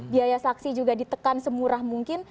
biaya saksi juga ditekan semurah mungkin